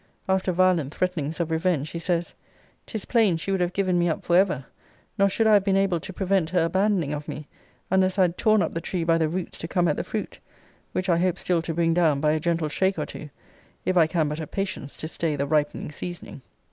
[After violent threatenings of revenge, he says,] 'Tis plain she would have given me up for ever: nor should I have been able to prevent her abandoning of me, unless I had torn up the tree by the roots to come at the fruit; which I hope still to bring down by a gentle shake or two, if I can but have patience to stay the ripening seasoning.